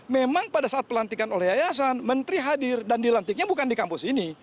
memang pada saat pelantikan oleh yayasan menteri hadir dan dilantiknya bukan di kampus ini